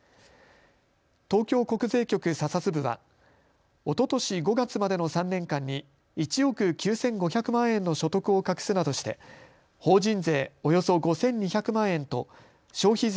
東京国税局査察部はおととし５月までの３年間に１億９５００万円の所得を隠すなどして法人税およそ５２００万円と消費税